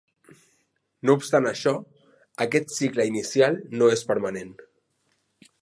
No obstant això, aquest cicle inicial no és permanent.